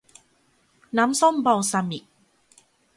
น้ำส้มบัลซามิก